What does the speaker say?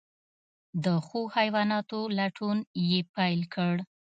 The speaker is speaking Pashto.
د ښو حیواناتو لټون یې پیل کړ.